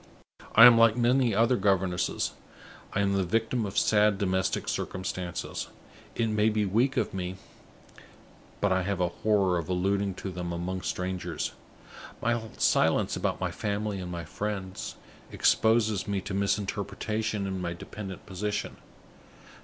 I am like many other governesses; I am the victim of sad domestic circumstances. It may be weak of me, but I have a horror of alluding to them among strangers. My silence about my family and my friends exposes me to misinterpretation in my dependent position.